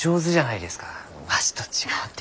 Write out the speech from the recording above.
わしと違うて。